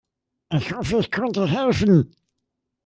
Ich hoffe, ich konnte helfen.